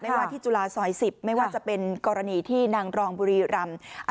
ว่าที่จุฬาซอย๑๐ไม่ว่าจะเป็นกรณีที่นางรองบุรีรำ